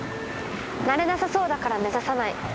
なれなさそうだから目指さない。